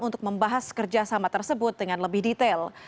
untuk membahas kerjasama tersebut dengan lebih detail